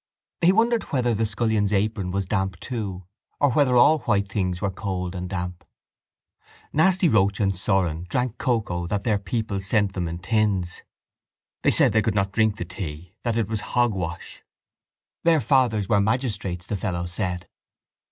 He wondered whether the scullion's apron was damp too or whether all white things were cold and damp. Nasty Roche and Saurin drank cocoa that their people sent them in tins. They said they could not drink the tea; that it was hogwash. Their fathers were magistrates, the fellows said.